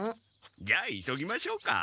じゃあ急ぎましょうか。